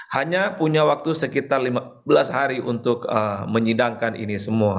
hanya punya waktu sekitar lima belas hari untuk menyidangkan ini semua